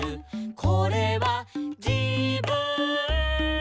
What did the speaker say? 「これはじぶん」